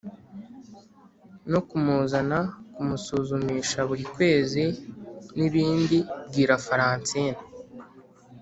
No kumuzana kumusuzumisha buri kwezi n ibindi bwira faransina